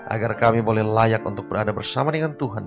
agar kami boleh layak untuk berada bersama dengan tuhan